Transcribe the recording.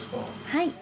はい。